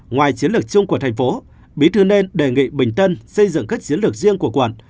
ngoài chiến lược chung của thành phố bí thư nên đề nghị bình tân xây dựng các chiến lược riêng của quận